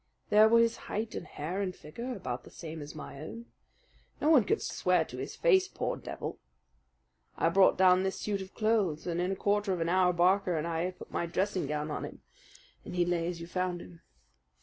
There were his height and hair and figure, about the same as my own. No one could swear to his face, poor devil! I brought down this suit of clothes, and in a quarter of an hour Barker and I had put my dressing gown on him and he lay as you found him.